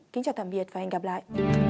kính chào tạm biệt và hẹn gặp lại